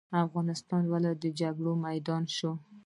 افغانستان ولې د جګړو میدان شو؟